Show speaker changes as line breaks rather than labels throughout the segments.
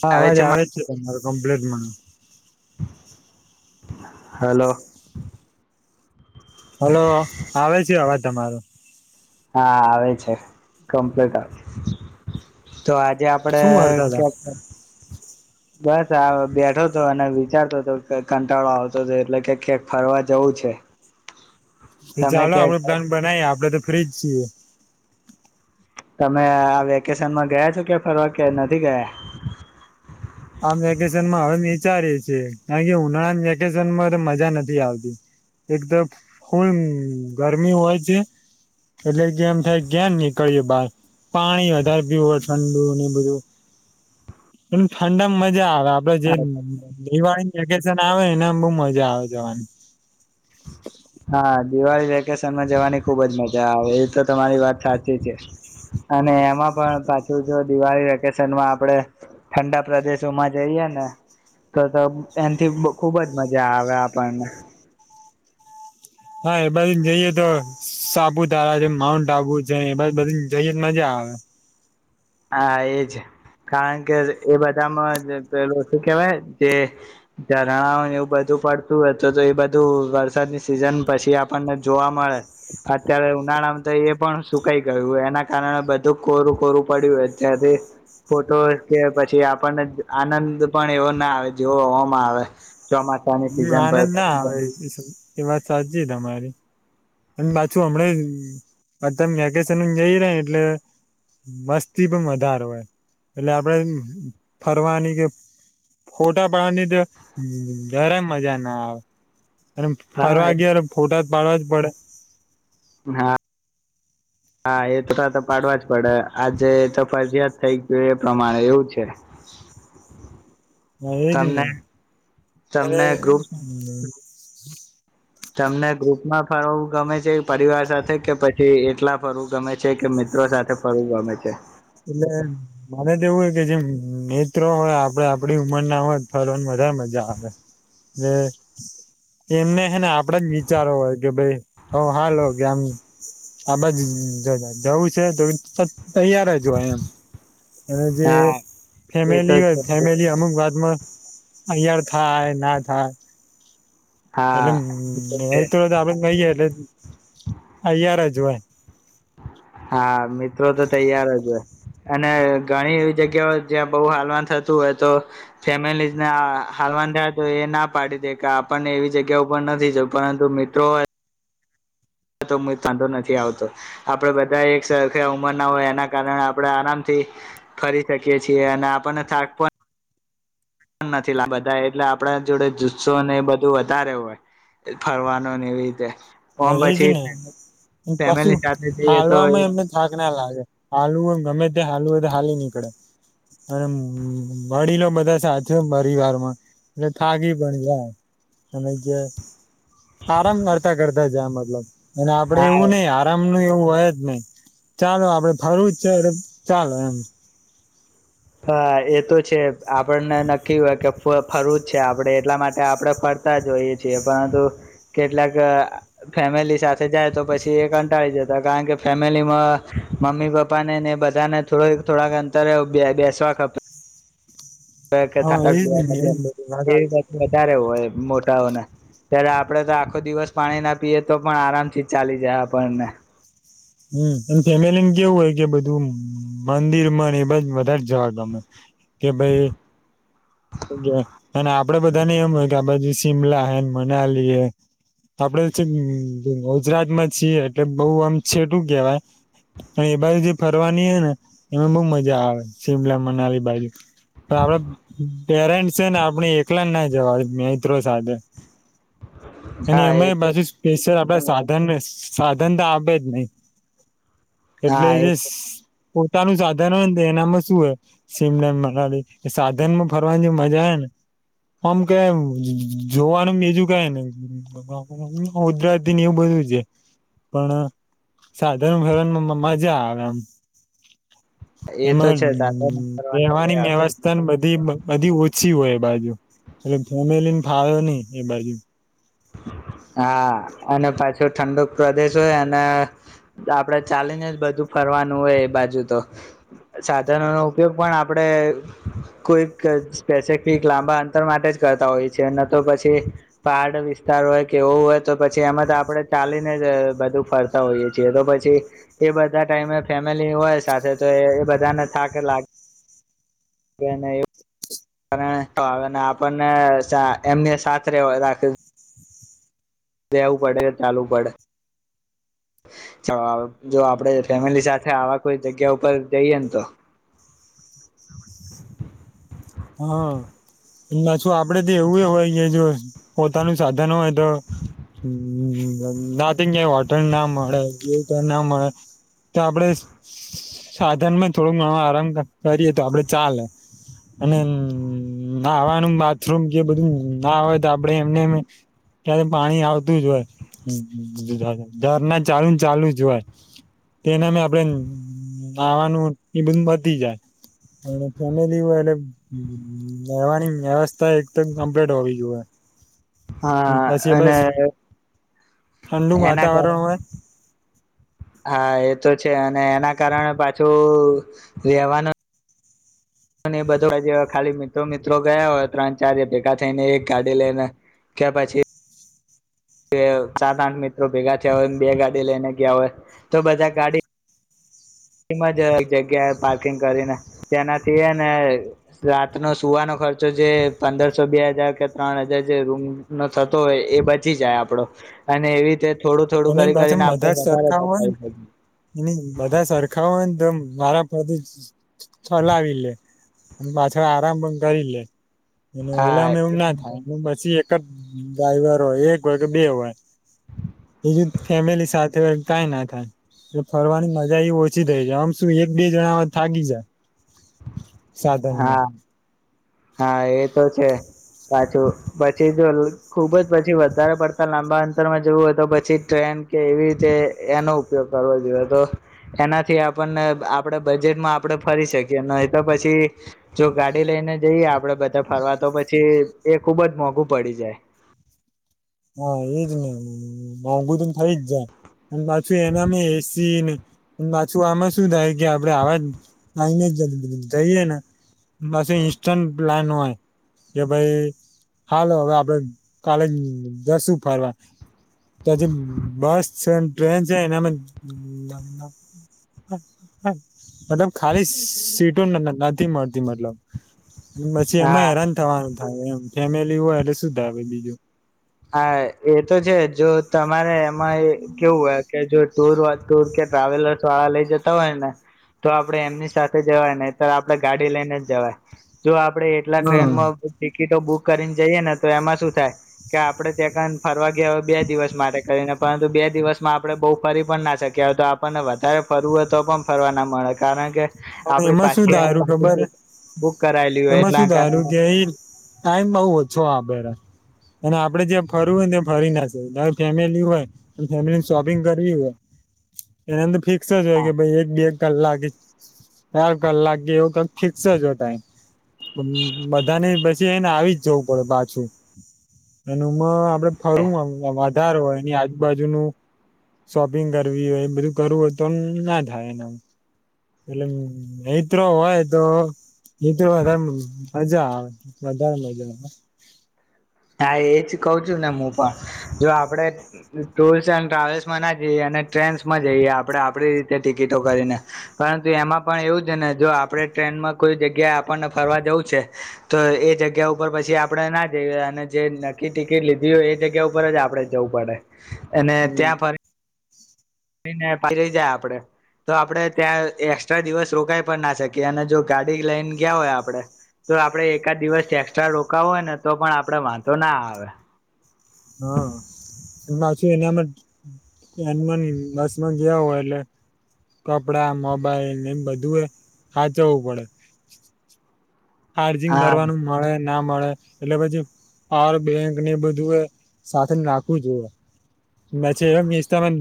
હા, અવાજ આવે છે તમારો. કમપ્લેટમાં
હલો.
હલો આવે છે અવાજ તમારો.
હા આવે છે કમ્પ્લેટ આવે છે તો આ જે આપડે
શું કરતા હતા
ક્યા. બસ આ બેઠો તો અને વિચારતો હતો કંટાળો આવતો હતો એટલે કે કેક ફરવા જવું છે.
તો
તમે
ચાલો આપડે
ક્યાંક
પ્લાન બનાવી આપડે તો ફ્રીજ છીએ.
તમે આ વેકેશનમાં ગયા છો કે ફરવા કે નથી ગયા.
આ વેકેશનમાં હવે વિચારીએ છીએ કારણ કે ઉનાળાની વેકેશનમાં તો મજા નથી આવતી એક તો ફૂલ ગરમી હોય છે એટલે કે એમ થાય ક્યા નીકળએ બહાર પાણી વધારે પ હોય ઠંડુ ને બધું. ઠંડડામાં મજા. આપડે જે નિવા. વેકેશન આવે નેમ બહુ મજા આવે જવાની.
હા દિવાળી વેકેશનમાં જવાની ખુબ જ મજા આવે એ તો તમારી વાત સાચી છે અને એમાં પણ પાછું જો દિવાળી વેકેશનમાં આપણે ઠંડા પ્રદેશોમાં જઈએ ને તો એનાથી ખુબ જ મજા આવે આપણને.
હા એ બાધુ જઈએ તો સાપુતારા છે માઉન્ટ આબુ છે એ બધું જઈએ મજા આવે.
હા એજ કારણ કે એ બધામાં પેલું શું કેહેવાય જે ઝરણા એવું બધું પડતું હોય તો તો એ બધું વરસાદની સિઝન પછી આપણને જોવા મળે અત્યારે ઉનાળામાં તો એ પણ સુકાઈ ગયું એના કારણે બધું કોરું કોરું. પડ્યું યે તથી ફોટો કે પછી આપણને આનંદ પણ એવો ના આવે જોવામાં આવે. ચોમાસા ની
હમ
સિઝન
આનંદ ના
ભરતા.
આવે એ વાત સાચી તમારી. અને પાછું હમણા અધમ વેકેશન જઈ ર એટલે મસ્તી પણ વધારે હોય એટલે આપડે ફરવાની કે ફોટા પાડવાની તો જરાય મજા ના આવે. અને ફરવા
હા
વાગ ફોટા. બળો જ બડ. [inaudible] [inaudible]
હા હા એ એકસ્સટા [inaudible] તો પાડવા જ પડે આજે ફજીયાત થઇ ગયું એ પ્રમાણે એવું છે.
હા એજ ને
તમને
ત્યારે
તમને ગ્રુપ
હ. [inaudible]
તમને ગ્રુપમાં ફરવું ગમે છે પરિવાર સાથે કે પછી એકલા ફરવું ગમે છે કે મિત્રો સાથે ફરવું ગમે છે.
એટલે મને તો એવું હોય કે જેમ મિત્રો હોય આપડ આપડી ઉંમર ના હોય ફરવાની વધારે મજા આવે એટલે એમને હેને આપડા જ વિચારો હોય. કે ભાઈ હ હાલ હો કે આમ. આ બાજ જવું છે. જો એમ જે
હા એ તો
ફેમિલી હોય
છે
ફેમિલી અમુક વાત. માં તૈયાર થાય ના થાય.
હા એ તો છે
એટલે તો આપડે કઈ ગ એટલેયાર. [inaudible] જો હોય.
હા મિત્રો તો તૈયાર જ હોય અને ઘણી એવી જગ્યાઓ જ્યાં બહુ હાલવાન થતું હોય તો ફેમિલીને હાલવાન થાય તો એ ના પાડી દે કે આપણને એવી જગ્યા ઉપર નથી જું પરંતુ મિત્રો. વાધો નથી આવતો આપડે બધા એક સરખે ઉંમર ના હોય એના કારણે આપણે આરામથી ફરી શકીએ છીએ અને આપણને થાક પણ. પણ નથી બધા એટલે આપણા જોડે જુસ્સો ને એ બધું વધારે હોય ફરવાનું ને એવી રીતે. ઓમ
હ એ જ
પછી
ને પશુ
ફેમિલી સાથે જઈએ તો
હાલવાવામાં એમને થાક ના લાગે હાલવું એમ ગમે તે્યા હાલું. હાલી નીકળે અને વડીલો બધા સાચ પરિવાર માં એટલે થાકી પણ જાય અને જે. આરામ કરતા કરતા. જ મતલબ. અને આપડે
હા
એવું નહ આરામ એવું હોય જ નહી ચાલો આપડે ફરું જ છે. ચાલો એમ
હા એ તો છે. આપણને નક્કી હોય કે ફરું જ છે. આપડે એટલા માટે આપડે ફરતા જો હોઈએ છીએ, પરંતુ કેટલાક ફેમિલી સાથે જાય તો પછી એ કંટાળી જતા કારણ કે ફેમિલી માં મમ્મી પપ્પાને ને બધાને થોડક થોડાક અંતરે બે શાક આપે
હા
થાટ
એજ ને એજ બધી વાત સાચી.
એવી વધારે હોય. મોટાઓને ત્યારે આપણેે તો આખો દિવસ પાણી ના પીએ તો પણ આરામથી ચાલી જાય આપણને
હમ એ ફેમિલીને કેવું હોય કે બધું મંદિર મ એ બ વધારે જવા ગમે કે ભાઈ અને આપડે બધાને એમ હોય કે આ બાજુ શિમલા હ મનાલી હ આપડે ગુજરાત માં છીએ, એટલે બઉ આમ છેટું કેવાય પણ એ બાજુ જે ફરવાની હ ને એમાં બહુ મજા આવે શિમલા, મનાલી બાજુ પણ આપડ પેરેન્ટ છે, ને આપણે એકલા ના જવા મિત્રો સાથે. અને
હા એ તો
એમાંછ સ્પેશલ આપ સાધન સાધનતા આપ ન
હા
કેટલે
એ
જશ પોતાનું સાધન હોય ને તો એનામાં શું, હો સિમડામ, મનાલી સાધન માં ફરવાની જે મજા હ ને આમ ક જોવાનું બીજું કહે નેધરતી ને એવું બધું છે પણ સાધન ભરણમાં મજા આવે. એમ
એ તો
એમાં
છે સાધન કરવાની
રહેવાની
મજા
વ્યવસ્થા ને બધી બ બધી ઓછી હોય એ બાજુ એટ ફેમિલીને ફળ્યો નહી એ બાજુ
હા અને પાછો ઠંડુ પ્રદેશ હોય અને આપડે ચાલેન્જ જ બધું ફરવાનું હોય, એ બાજુ તો સાધનો નો ઉપયોગ પણ આપડે કોઈક સ્પેસફિક લાંબા અંતર માટે જ કરતા હોય છે, ન તો પછી પહડ વિાર હોય કે એવું હોય તો પછી એમાં તો આપડે ચાલીને જ બધું ફરતા હોઈય છીએ, તો પછી એ બધા ટાઈમે ફેમિલી હોય સાથે તો એ બધાને થા કે લાગે આપણને એમને સાથે રહે રાખી લેવું પડે ચાલવું પડેાલ જો આપડે ફેમિલી સાથે આવા કોઈ જગ્યા ઉપર જઈયએ ને તો
હાછું આપડે તો એવું હોય કે જો પોતાનું સાધન હોય તો હ નાથી ક હોટલ ના મળે ના મળે તો આપડે સાધનમાં થોડુંક ઘણો આરામ કરીએ તો આપડે ચાલે અને નહાવાનું બાથરૂમ જે બધું ના હોય તો આપડે એમને ક્યારે પાણી આવતું જ હોય, ઝરણા ચાલુ ચાલુ જ હોય તેનામે આપડે નહવાનું એ બધું બતી જાય અને ફેમિલી હોય એટ હ એવાની વ્યવસ્થા એકદમ કમ્પ્લીટ હોવી જોઈએ.
હા
પછી
અને
બસ ઠંડુ
એના
વાતાવરણ
કારણે
હોય
હા એ તો છે અને એના કારણે પાછું રહેેવાનું અને એ બધો ખાલી મિત્રો મિત્રો ગયા હોય ત્રણ, ચાર એ ભેગા થઈને એક ગાડી લઈને, કે પછી સાત, આઠ મિત્રો ભેગા થયા હોય બે ગાડી લઈને ગયા હોય. તો બધા ગાડી એમ જ એક જગ્યાએ પાર્કિંગ કરીને તેનાથી ને રાતનો સુવાનો ખર્ચો જે પંદરસો બે હજાર કે ત્રણ હજાર જે રૂમ નો થતો હોય એ બચી જાય આપડો અને એવી રીતે થોડું થોડું
એની
કરી
પાછ
કરીને
બધા
આપણે
જ
વધારે
સરખાઓ હોય ને
બચાવી શકીએ
એની બધા સરખાઓય એકદમ મારાથી ચલાવી લે અને પાછળ આરામ પણ કરી લે એ ઓલા
હા એ
એવું ના થાય પછી ડ્રાઈવર હોય, એક હોય કે બે હોય. બીજું ફેમિલી સાથે હોય કઈ ના થાય એટલે ફરવાની મજા એ ઓછી થઈ જાય આમ શું એક બે જણા થાગી જાય. સાધનમાં.
હા હા એ તો છે પાછું પછી જો ખુબ જ પછી વધારે પડતા લાંબા અંતરમાં જવું હોય, તો પછી ટ્રેન કે એવી રીતે એનો ઉપયોગ કરવો જોઈએ તો એનાથી આપણને આપડે બજેટમાં આપડ ફરી શકીએ ન તો પછી જો ગાડી લઈને જઈએ આપડે બધા ફરવા તો પછી એ ખુબ જ મોંઘું પડી જાય.
હા એજ ને મોંઘું તો થઈ જ જાય અને પાછું એના એસી પાછું આમાં શું થાય કે આપડે આવાજ લઈને જ જ જઈએે ને બસ ઇન્સ્ટન્ટ લ કે ભાઈ હા, લ હવે આપડે કાલે જશું ફરવા તો જે બસ છે, ટ્રેન છે, એનામાં મતલબ ખાલી સીટો નથી, મળતી મતલબ પછી,
હા
એમાં હેરાન થવાનું. હા, એમ ફેમિલી હોય, એટલે સુધા આવે લીજો.
હા, એ તો છેજ, જો તમારે. એ એ કેવું હોય, કે જો. ટુર ટુર કે ટ્રાવેલર્સ વાળા લઈ, જતા હોય, ને તો આપડે એમની સાથે જવાય ને, તો આપડણે ગાડી લઈને જ જવાય. જો આપડે એટલા, ટ્રેનમાં ટિકિટો બુક. કરીને જઈએ, ને તો એમાં શું થાય. કે આપણે, ત્યાં કઈને ફરવા. બે દિવસ માટે કરીને. પરંતુ બે દિવસમાં આપણે બહુ ફરી પણ ના શકી્યા હોય, તો આપણને વધારે ફરવું હોય, તો પણ ફરવા ના મળે કારણ કે.
હ,
આપડી
એમાં શું
પાછી
ધારું
આવવાની
ખબર,
ટિકિટ બુક કરાયેલી હોય
એમાં શું
એટલા કારણે
ધારું કે ટાઈમ બઉ ઓછો આપે. અને આપડે જ્યાં ફરવું હોય, ને ત્યાં ફરી ના ફેમિલી હોય, ફેમિલી શોપિંગ કરવી હોય, એની અંદર ફિક્સ. જ હોય, કે ભાઈ એક બે. કલાાગી ચાર કલાક, એવું કઈ ફિક્સ જો ટાઈમ. હમ્મ, બધાની બસ. જે એને આવીજ જવું, પડે પાછું. [unintelligible] વધાર હોય, એની આજુબાજુનું શોપિંગ કરવી હોય, બધું કરવું હોય, તો ના થાય એના. અત્તરો હોય, તો. એ તો, આરામની. મજા આવે, વધારે મજા આવે.
હા, એ જ કહ છુંને, હું પણ જો આપણે ટુર્સ એન્ડ ટ્રાવેલ્સમા ના જઈએ અને ટ્રેન્સમાં જઈએ આપણે આપડી રીતે ટિકિટો કરીને પરંતુ એમાં પણ એવું છેને, જો આપણે ટ્રેનમાં કોઈ જગ્યાએ આપણને ફરવા જવું છે, તો એ જગ્યા ઉપર પછી આપણે ના જઈએ અને. જે નક્કી ટિકિટ લીધી હોય, એ જગ્યા ઉપર જ આપડે જવું પડે. અને
હમ
ત્યાં ફરી. ન પ રહી જાય, આપડે તો આપડે ત્યાં એકસ્ટ્રા દિવસ રોકાઈ પણ ના શકીએ અને જો ગાડી લઈને ગયા, હોય આપડે તો આપડે એકાદ દિવસ એક્સ્ટ્રા રોકો હોય, ને તો પણ આપડે વાંધો ના આવે.
હા, પાછી એનામાં એનમન બસમાં ગવ હોય, એટલે કપડા મોબાઈલ એમ બધું એ ખાચવવું પડે ચાર્જિંગ
હા
કરવાનું મળે. ના મળે એટલે પછી પ બેંક ને બધું એ સાથે નાખવું, જોએ. ના છે.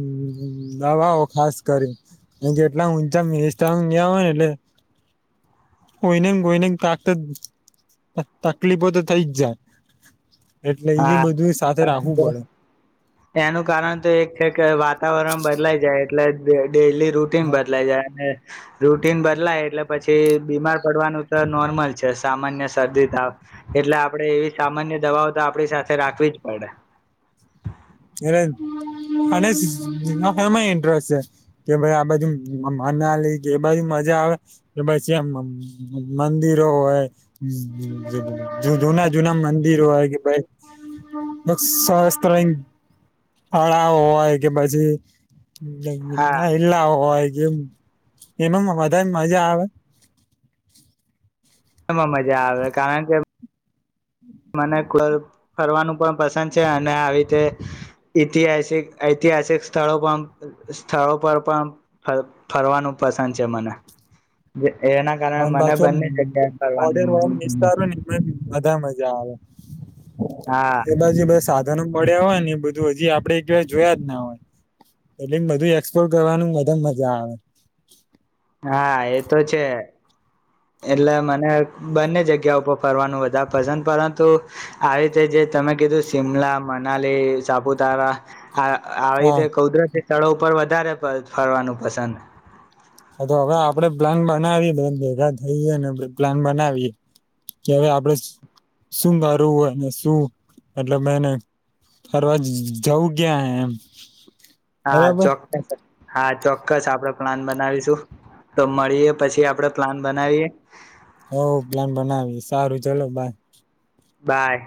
[unintelligible] હવાઓ, ખાસ કરીને કેટલા ઊંચા મિનિસ્ટ હોય, ને એટલે કોઈને કા. તકલીફો, તો થાય જ જાય. એટલે એ
હા,
બધું સાથે રાખવું પડે
એનું કારણ તો એક છે, કે વાત. વાતાવરણ બદલાઈ, જાય. એટલે જ. ડેલી રૂટીન બદલાઈ જાય ને. રૂટીન બદલાય એટલે પછી. કે બીમાર પડવાનું. તો નોર્મલ છે સામાન્ય શરદી તાવ એટલે આપડે એવી સામાન્ય દવાઓ તો આપડી સાથે રાખવી જ પડે
એ અને એમાં ઇન્ટરેસ્ટ છે કે ભ આ બાજુ અનાલી એ બાજુ મજા આવે કે પછી આ મંદિરો હોય જના જૂના મંદિરોય ન સાસ ત્રયન અળાવ હોય કે પછી
હા
[unintelligible] જેમ એમાં વધારે મજા આવે
એમાં મજા આવે કારણ કે મને ફરવાનું પણ પસંદ છે અને આવી રીતે ઈતિહાસિક ઐતિહાસિક સ્થળો પણ સ્થળો પર પણ ફ ફરવાનું પસંદ છે મને એના કારણે
અને
મને
પાછો
બંને જગ્યા ફરવાનું
બધા મજા આવે
હા
એ બાછી [unintelligible] બધા મળડ્યા હોય ને એ બધું હજી આપડે એક જોયા જ ના હોય એટલે બધું એક્સપ્લોર કરવાનું બધા મજા આવે
હા એતો છે એટલે મને બંને જગ્યા ઉપર ફરવાનું વધારે પસંદ પરંતુ આવી રીતે જે તમે કીધું શિમલા મનાલી સાપુતારા હા આવી
હા
રીતે કુદરતી સ્થળો પર વધારે ફરવાનું પસંદ
તો હવે આપણે પ્લાન બનાવીએ ભેગા થઈએ પ્લાન બનાવીએે કે હવે આપડે શુ શું કરવુંય અને શું મતલબ એને ફરવા જવું ક્યાં એમ
હા
બરાબર
ચોકસ હા ચો ચીક્ક્સ આપડે પ્લાન બનાવીશું તો મળીએ પછી આપડે પ્લાન બનાવીએ
હ પ્લાન બનાવી સારું ચલો બાઈ
બાય